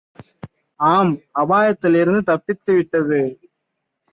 ஆம் அபாயத்திலிருந்து தப்பித்துவிட்டது!